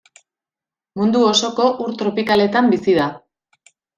Mundu osoko ur tropikaletan bizi da.